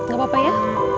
gak apa apa ya